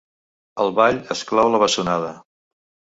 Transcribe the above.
El ball exclou la bessonada.